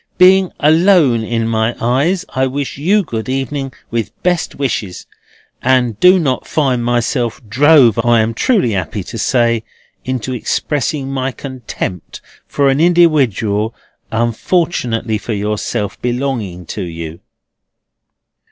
"Being alone in my eyes, I wish you good evening with best wishes, and do not find myself drove, I am truly 'appy to say, into expressing my contempt for an indiwidual, unfortunately for yourself, belonging to you."